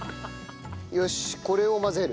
よしこれを混ぜる。